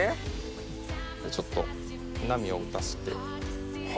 ちょっと波を打たせて。